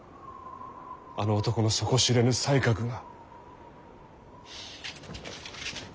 あの男の底知れぬ才覚が。